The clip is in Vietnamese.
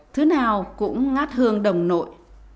thứ nào cũng ngát hương đồng nội